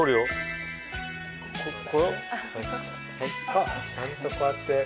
あっちゃんとこうやって。